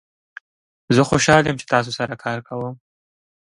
زه خوشحال یم چې تاسو سره کار کوم.